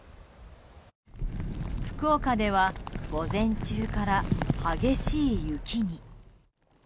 福岡では午前中から激しい雪に。